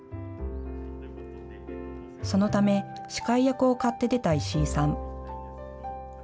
そのため司会役を買って出た石井さん。